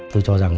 tôi cho rằng